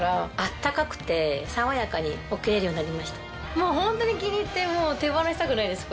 もうホントに気に入って手放したくないですこれ。